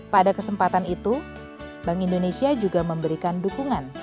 pada kesempatan itu bank indonesia juga memberikan dukungan